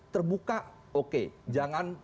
terbuka oke jangan